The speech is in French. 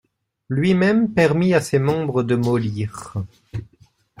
Lui-même permit à ses membres de mollir.